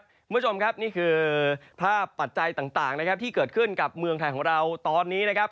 คุณผู้ชมครับนี่คือภาพปัจจัยต่างนะครับที่เกิดขึ้นกับเมืองไทยของเราตอนนี้นะครับ